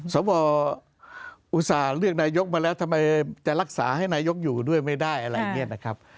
สวอุตส่าห์เลือกนายกมาแล้วทำไมจะรักษาให้นายกอยู่ด้วยไม่ได้อะไรอย่างนี้นะครับ